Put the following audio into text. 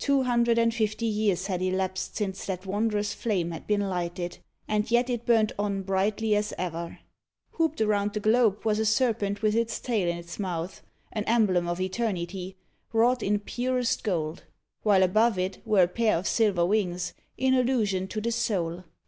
Two hundred and fifty years had elapsed since that wondrous flame had been lighted, and yet it burnt on brightly as ever. Hooped round the globe was a serpent with its tail in its mouth an emblem of eternity wrought in purest gold; while above it were a pair of silver wings, in allusion to the soul.